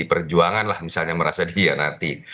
perjuangan lah misalnya merasa dia nanti